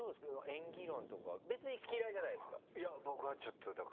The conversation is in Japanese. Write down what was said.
演技論とか別に嫌いじゃないですか？